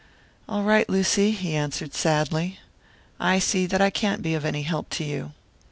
"All right, Lucy," he answered, sadly. "I see that I can't be of any help to you.